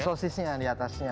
sosisnya di atasnya